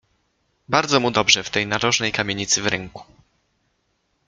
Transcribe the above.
Bardzo mu dobrze w tej narożnej kamienicy w rynku.